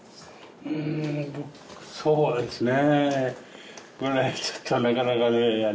うんそうですね